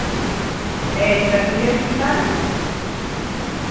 E entre as mulleres xitanas?